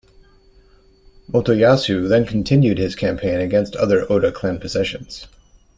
Motoyasu then continued his campaign against other Oda clan possessions.